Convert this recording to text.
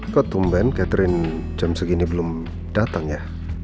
kok tumpen catherine jam segini belum datang ya